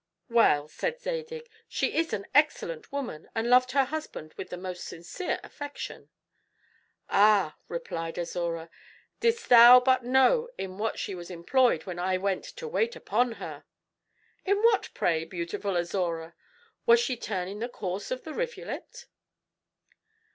"Well," said Zadig, "she is an excellent woman, and loved her husband with the most sincere affection." "Ah," replied Azora, "didst thou but know in what she was employed when I went to wait upon her!" "In what, pray, beautiful Azora? Was she turning the course of the rivulet?"